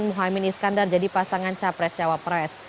muhaymin iskandar jadi pasangan capres cawapres